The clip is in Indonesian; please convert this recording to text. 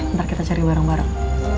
ntar kita cari bareng bareng